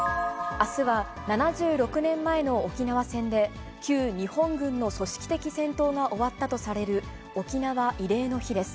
あすは７６年前の沖縄戦で、旧日本軍の組織的戦闘が終わったとされる、沖縄慰霊の日です。